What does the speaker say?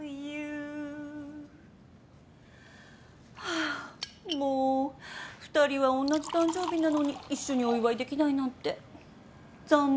ハァもう２人はおんなじ誕生日なのに一緒にお祝いできないなんて残念無念また来年。